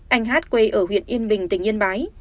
anh hát quê ở huyện yên bình tỉnh yên bái